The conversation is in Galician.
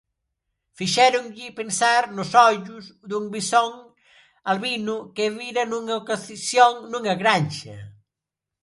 Fixéronlle pensar nos ollos dun bisón albino que vira nunha ocasión nunha granxa.